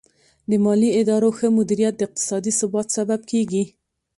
د مالي ادارو ښه مدیریت د اقتصادي ثبات سبب کیږي.